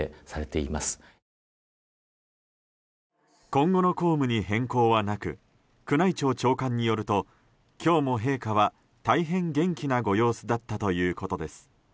今後の公務に変更はなく宮内庁長官によると今日も陛下は大変元気なご様子だったということです。